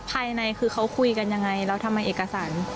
ภายในคือเขาคุยกันยังไงแล้วทำไมเอกสาร